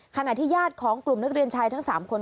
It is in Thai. ขณะที่ญาติของกลุ่มนักเรียนชายทั้ง๓คน